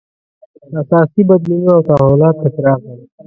اساسي بدلونونه او تحولات په کې راغلل.